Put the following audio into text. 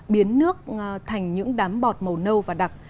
biến nước thành những đám bọt màu nâu và đặc